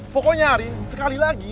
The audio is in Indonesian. pokoknya ari sekali lagi